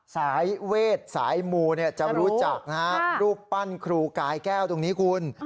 สายเวทสายมูจะรู้จักนะฮะรูปปั้นครูกายแก้วตรงนี้คุณ